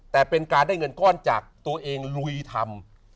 แต่เป็นการได้เงินก้อนจากตัวเองลุยทำ